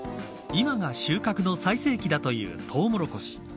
今が収穫の最盛期だというトウモロコシ。